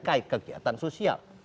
kayak kegiatan sosial